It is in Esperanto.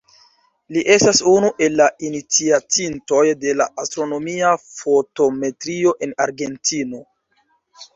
Li estas unu el la iniciatintoj de la astronomia fotometrio en Argentino.